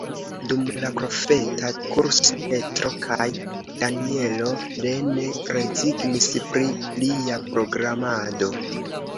Dum la profeta kurso Petro kaj Danjelo plene rezignis pri plia programado.